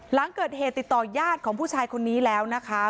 หลังเกิดเหตุติดต่อยาดของผู้ชายคนนี้แล้วนะคะ